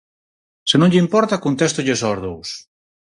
Se non lle importa, contéstolles aos dous.